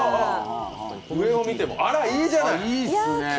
上を見ても、あらいいじゃない！